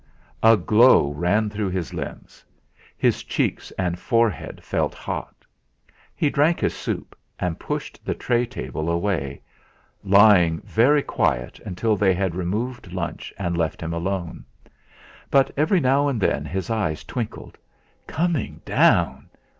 A glow ran through his limbs; his cheeks and forehead felt hot. He drank his soup, and pushed the tray table away, lying very quiet until they had removed lunch and left him alone; but every now and then his eyes twinkled. Coming down!